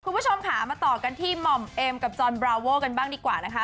คุณผู้ชมค่ะมาต่อกันที่หม่อมเอมกับจอนบราโวกันบ้างดีกว่านะคะ